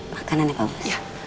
makanan ya pak bos